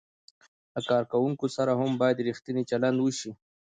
له کارکوونکو سره هم باید ریښتینی چلند وشي.